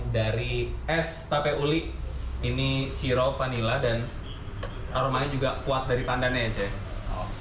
dari es tape uli ini siro vanila dan aromanya juga kuat dari pandannya aja